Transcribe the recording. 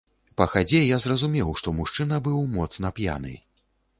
Па хадзе я зразумеў, што мужчына быў моцна п'яны.